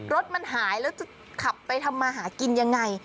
รถมันหายแล้วจะขับไปทำมาหากินยังไง